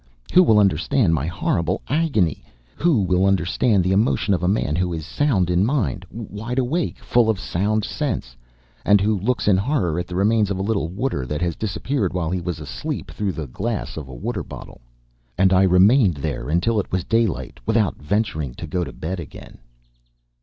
Who will understand my horrible agony? Who will understand the emotion of a man who is sound in mind, wide awake, full of sound sense, and who looks in horror at the remains of a little water that has disappeared while he was asleep, through the glass of a water bottle? And I remained there until it was daylight, without venturing to go to bed again.